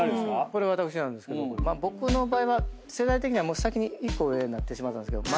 これ私なんですけど僕の場合は世代的には１個上になってしまったんですけど。